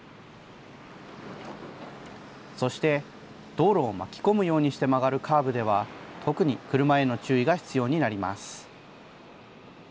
そして、道路を巻き込むようにして曲がるカーブでは、特に車への注意が必要になります。